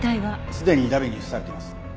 すでに荼毘に付されています。